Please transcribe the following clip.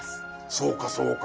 そうかそうか。